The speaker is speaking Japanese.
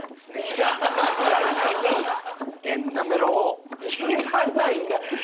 いらないいらない！